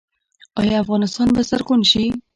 آیا افغانستان به زرغون شي؟